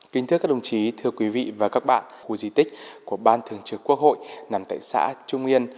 kính thưa các đồng chí thưa quý vị và các bạn khu di tích của ban thường trực quốc hội nằm tại xã trung yên